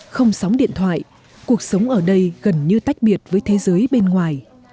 không sóng điện thoại cuộc sống ở đây gần như tách biệt với thế giới bên ngoài